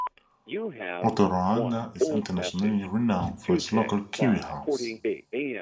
Otorohanga is internationally renowned for its local Kiwi House.